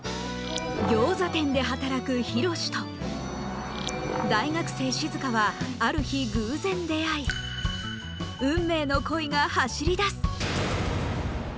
ギョーザ店で働くヒロシと大学生しずかはある日偶然出会い運命の恋が走りだす